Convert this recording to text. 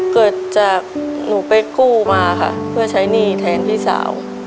เกิดจากหนูไปกู้มาค่ะเพื่อใช้หนี้แทนพี่สาว